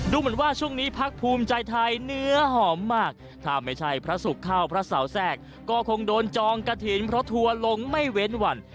เหมือนว่าช่วงนี้พักภูมิใจไทยเนื้อหอมมากถ้าไม่ใช่พระศุกร์เข้าพระเสาแทรกก็คงโดนจองกระถิ่นเพราะทัวร์ลงไม่เว้นวัน